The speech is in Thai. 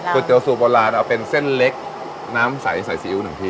เตี๋ยสูตรโบราณเอาเป็นเส้นเล็กน้ำใสใส่ซีอิ๊วหนึ่งที